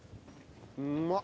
うまっ。